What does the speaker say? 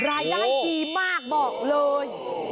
รายได้ดีมากบอกเลย